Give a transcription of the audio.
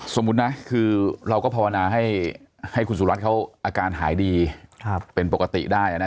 สมมุตินะคือเราก็ภาวนาให้คุณสุรัตน์เขาอาการหายดีเป็นปกติได้นะ